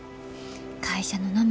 会社の名前